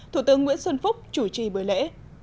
thủ tướng nguyễn xuân phúc chủ trì bữa lễ